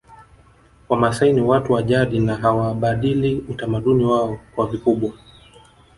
Wamasai ni watu wa jadi na hawabadili utamaduni wao kwa vikubwa